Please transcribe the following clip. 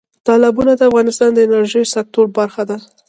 تالابونه د افغانستان د انرژۍ سکتور برخه ده.